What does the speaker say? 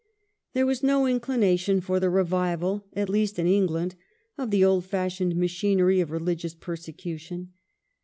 There was no inclination for the revival, at least in England, of the old fashioned machinery of religious persecution.